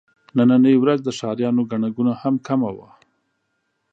نننۍ ورځ د ښاريانو ګڼه ګوڼه هم کمه وه.